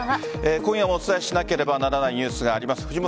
今夜もお伝えしなければならないニュースがあります。